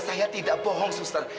saya tidak bohong buster